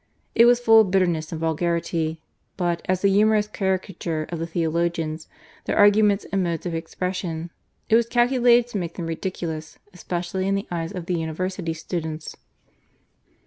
It was full of bitterness and vulgarity, but, as a humorous caricature of the theologians, their arguments and modes of expression, it was calculated to make them ridiculous especially in the eyes of the university students.